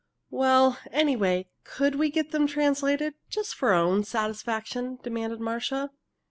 "Well, anyway, could we get them translated, just for our own satisfaction?" demanded Marcia.